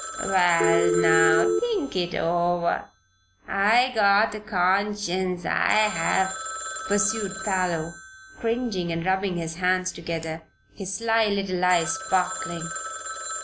Wal, now; think it over. I got a conscience, I have," pursued Parloe, cringing and rubbing his hands together, his sly little eyes sparkling.